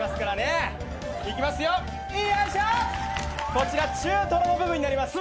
こちら中トロの部分になります。